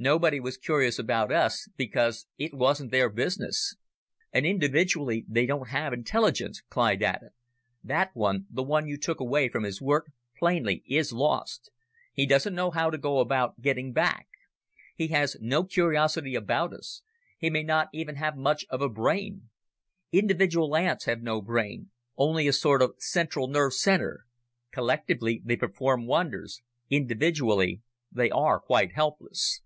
Nobody was curious about us because it wasn't their business." "And, individually, they haven't intelligence," Clyde added. "That one the one you took away from his work plainly is lost. He doesn't know how to go about getting back. He has no curiosity about us ... he may not even have much of a brain. Individual ants have no brain only a sort of central nerve center. Collectively, they perform wonders; individually, they are quite helpless."